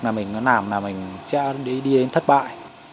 là mình có làm là mình sẽ đi đến thất bại